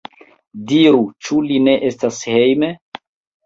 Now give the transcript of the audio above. Diru, ĉu li ne estas hejme?